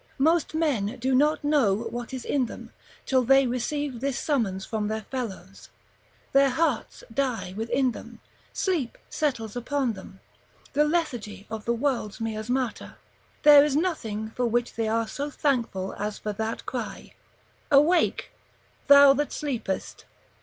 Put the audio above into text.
Most men do not know what is in them, till they receive this summons from their fellows: their hearts die within them, sleep settles upon them, the lethargy of the world's miasmata; there is nothing for which they are so thankful as for that cry, "Awake, thou that sleepest."